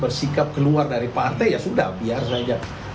bersikap keluar dari partai ya sudah biar saja